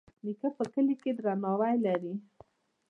نیکه په کلي کې درناوی لري.